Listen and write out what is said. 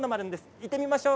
行ってみましょう。